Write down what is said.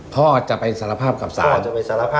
พ่อจะไปสารภาพกับสาร